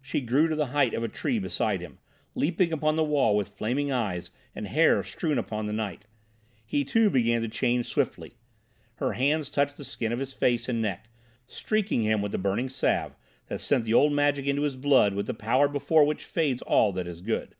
She grew to the height of a tree beside him, leaping upon the wall with flaming eyes and hair strewn upon the night. He too began to change swiftly. Her hands touched the skin of his face and neck, streaking him with the burning salve that sent the old magic into his blood with the power before which fades all that is good.